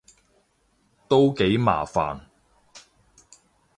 都幾麻煩